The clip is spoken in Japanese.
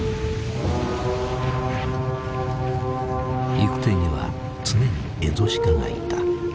行く手には常にエゾシカがいた。